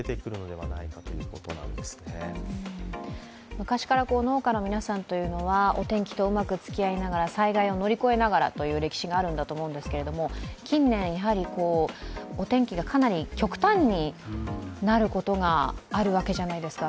昔から農家の皆さんというのはお天気とうまくつきあいながら災害を乗り越えながらという歴史があると思うんですけれども、近年やはり、お天気が極端になることがあるわけじゃないですか。